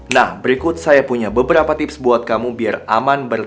nah berikut saya punya beberapa tips buat kamu biar aman